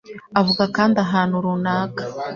avuga kandi ahantu runaka